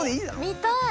見たい！